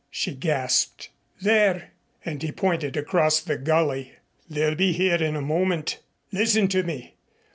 she gasped. "There," and he pointed across the gully. "They'll be here in a moment. Listen to me!